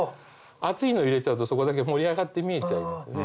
厚いの入れちゃうとそこだけ盛り上がって見えちゃいますよね。